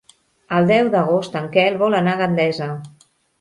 El deu d'agost en Quel vol anar a Gandesa.